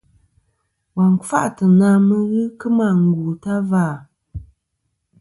Wa n-kfâʼtɨ̀ na mɨ n-ghɨ kɨmɨ àngù ta va à?